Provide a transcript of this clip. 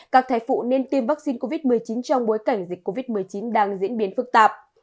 các thai phụ nên tiêm vaccine covid một mươi chín trong bối cảnh dịch covid một mươi chín đang diễn biến phức tạp